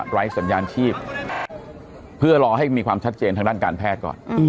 ไร้สัญญาณชีพเพื่อรอให้มีความชัดเจนทางด้านการแพทย์ก่อน